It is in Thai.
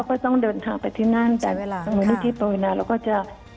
ก็ต้องเดินทางไปที่นั่นแต่ทางมูลนิธิปรบินาแล้วก็จะ